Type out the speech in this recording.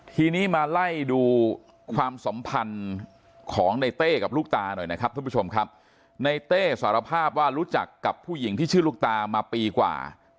ทีนี้มาไล่ดูความสัมพันธ์ของในเต้กับลูกตาหน่อยนะครับทุกผู้ชมครับในเต้สารภาพว่ารู้จักกับผู้หญิงที่ชื่อลูกตามาปีกว่า